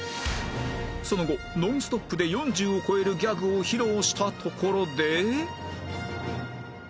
その後ノンストップで４０を超えるギャグを披露したところで